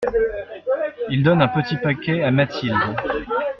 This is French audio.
Il donne un petit paquet à Mathilde.